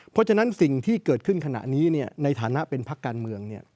เพราะฉะนั้นสิ่งที่เกิดขึ้นขณะนี้ในฐานะเป็นพักการเมือง